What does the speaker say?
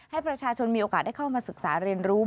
ให้ประชาชนมีโอกาสได้เข้ามาศึกษาเรียนรู้